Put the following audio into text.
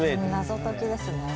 謎解きですね。